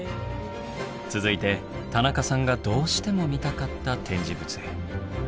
続いて田中さんがどうしても見たかった展示物へ。